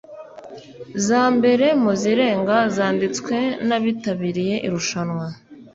za mbere mu zirenga zanditswe n’abitabiriye irushanwa